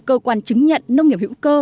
cơ quan chứng nhận nông nghiệp hữu cơ